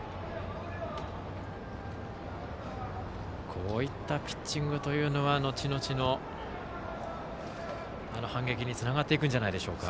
こういったピッチングはのちのちの反撃につながっていくんじゃないんでしょうか。